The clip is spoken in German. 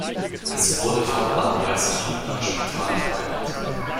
Es wurde fortan als Wiedner Spital verwendet.